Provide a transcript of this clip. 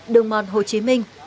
đường mòn hồ chí minh